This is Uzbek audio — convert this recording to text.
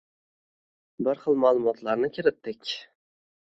Bir xil ma’lumotlarni kiritdik.